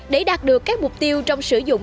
để đạt được các mục tiêu trong sử dụng